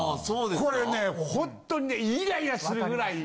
これねほんとにねイライラするぐらい！